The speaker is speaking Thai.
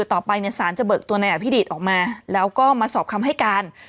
ต่อไปเนี่ยสารจะเบิกตัวนายอภิดิตออกมาแล้วก็มาสอบคำให้การ